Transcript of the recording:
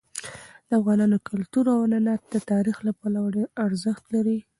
د افغانانو کلتور او عنعنات د تاریخ له پلوه ډېر ارزښت لري.